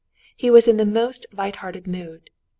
He was in the most light hearted mood.